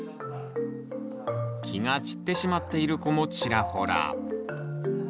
気が散ってしまっている子もちらほら。